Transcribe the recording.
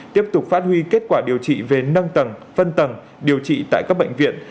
tiếp tục phát huy kết quả điều trị về nâng tầng phân tầng điều trị tại các bệnh viện